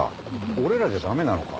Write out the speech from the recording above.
俺らじゃ駄目なのか？